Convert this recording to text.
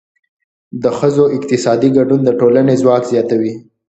د ښځو اقتصادي ګډون د ټولنې ځواک زیاتوي.